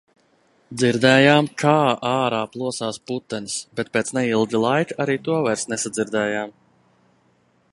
Dzirdējām, kā ārā plosās putenis, bet pēc neilga laika arī to vairs nesadzirdējām.